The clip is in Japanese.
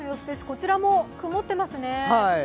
こちらも曇ってますね。